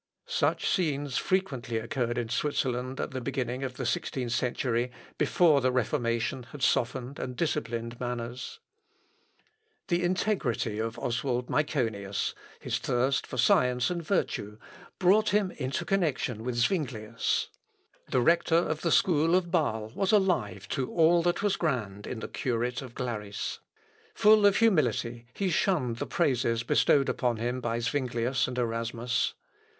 Such scenes frequently occurred in Switzerland at the beginning of the sixteenth century, before the Reformation had softened and disciplined manners. Erasmi, Laus Stultitiæ, cum annot. Myconii. The integrity of Oswald Myconius, his thirst for science and virtue, brought him into connection with Zuinglius. The rector of the school of Bâle was alive to all that was grand in the curate of Glaris. Full of humility, he shunned the praises bestowed upon him by Zuinglius and Erasmus.